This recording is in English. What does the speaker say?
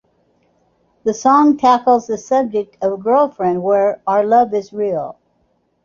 The song tackles the subject of a girlfriend where, our love is real.